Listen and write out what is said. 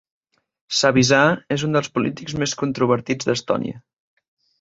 Savisaar és un dels polítics més controvertits d'Estònia.